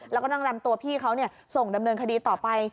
แล้วก็นั่งนำตัวพี่เขาส่งดำเนินคดีต่อไป